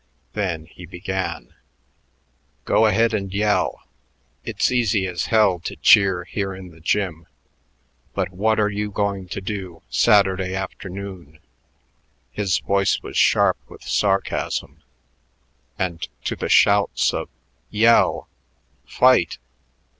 Then he began: "Go ahead and yell. It's easy as hell to cheer here in the gym; but what are you going to do Saturday afternoon?" His voice was sharp with sarcasm, and to the shouts of "Yell! Fight!"